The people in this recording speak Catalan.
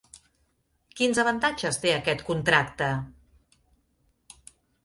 Quins avantatges té aquest contracte?